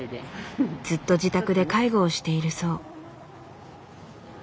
ずっと自宅で介護をしているそう。